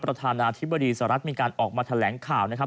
ประธานาธิบดีสหรัฐมีการออกมาแถลงข่าวนะครับ